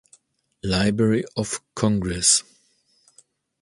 Library of Congress